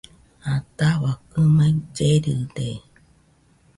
Ataua kɨmaɨ llerɨde